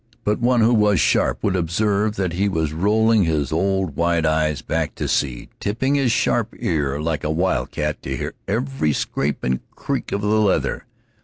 But one who was sharp would observe that he was rolling his old white eyes back to see, tipping his sharp ear like a wildcat to hear every scrape and creak of the leather.